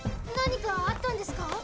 何かあったんですか？